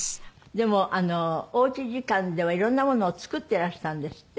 でもお家時間では色んなものを作ってらしたんですって？